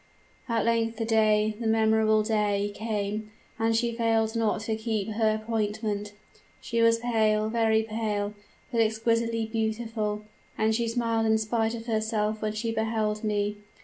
"At length the day the memorable day came; and she failed not to keep her appointment. She was pale very pale but exquisitely beautiful; and she smiled in spite of herself when she beheld me.